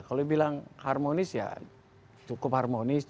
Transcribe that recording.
kalau bilang harmonis ya cukup harmonis